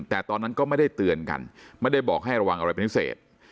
แต่ตอนนั้นก็ไม่ได้เตือนกันไม่ได้บอกให้ระวังอะไรเป็นพิเศษ